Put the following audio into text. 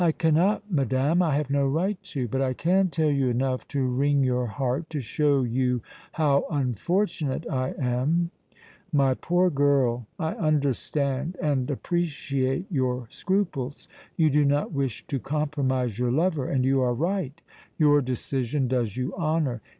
"I cannot, madame; I have no right to; but I can tell you enough to wring your heart, to show you how unfortunate I am." "My poor girl, I understand and appreciate your scruples. You do not wish to compromise your lover, and you are right. Your decision does you honor.